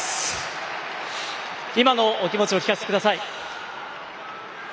今のお気持ちを聞かせてください。